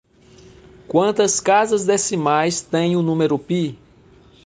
Quantas casas decimais tem o número pi?